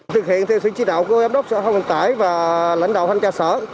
thực hiện theo sự chỉ đạo của giám đốc xã hội hành tải và lãnh đạo thanh tra sở